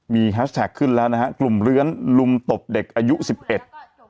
มีขึ้นแล้วนะฮะกลุ่มเรือนลุมตบเด็กอายุสิบเอ็ด